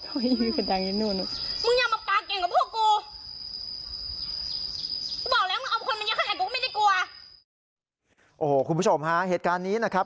โอ้โหคุณผู้ชมฮะเหตุการณ์นี้นะครับ